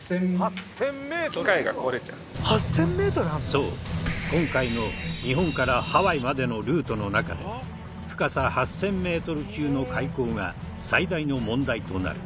そう今回の日本からハワイまでのルートの中で深さ８０００メートル級の海溝が最大の問題となる。